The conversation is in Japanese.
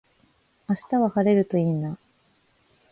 明日は晴れるといいな